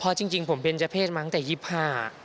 เพราะจริงผมเบนเจอร์เพศมาตั้งแต่๒๕ปี